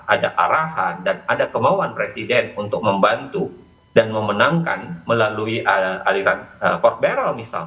ada arahan dan ada kemauan presiden untuk membantu dan memenangkan melalui aliran port barrel misalnya